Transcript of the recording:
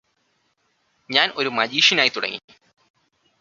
ഞാന് ഒരു മജീഷ്യനായി തുടങ്ങി